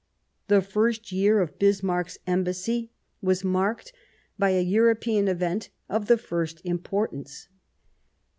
The first year of Bismarck's Embassy was 47 Bismarck marked by a European event of the first im portance.